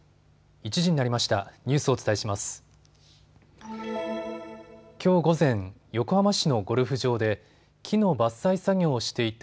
１時になりました。